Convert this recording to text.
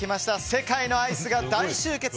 世界のアイスが大集結！